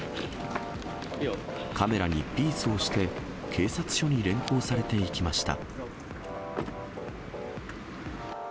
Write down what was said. カメラにピースをして、警察署に連行されていきました。